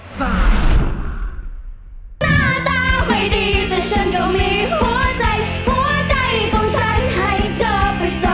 หน้าตาไม่ดีแต่ฉันก็มีหัวใจหัวใจของฉันให้เธอไปเจอ